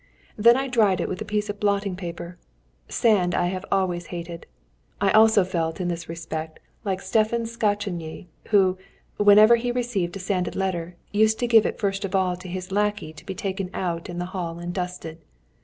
Then I dried it with a piece of blotting paper. Sand I have always hated. I also felt, in this respect, like Stephen Szechenyi, who, whenever he received a sanded letter, used to give it first of all to his lackey to be taken out in the hall and dusted.